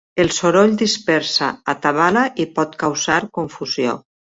El soroll dispersa, atabala i pot causar confusió.